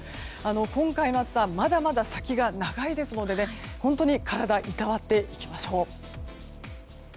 今回、夏はまだまだ先が長いですので本当に体をいたわっていきましょう。